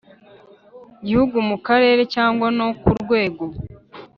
Gihugu mu karere cyangwa no ku rwego